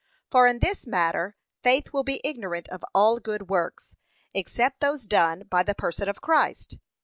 For in this matter faith will be ignorant of all good works, except those done by the person of Christ.